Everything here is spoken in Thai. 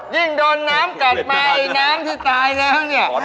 ยิ่งโดนน้ำกัดมาไอ้น้ำที่ตายแล้วเนี่ย